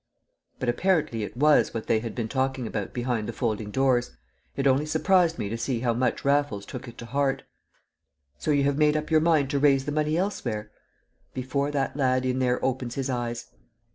But apparently it was what they had been talking about behind the folding doors; it only surprised me to see how much Raffles took it to heart. "So you have made up your mind to raise the money elsewhere?" "Before that lad in there opens his eyes."